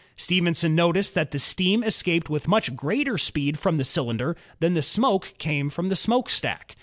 Stephenson noticed that the steam escaped with much greater speed from the cylinder than the smoke came from the smokestack.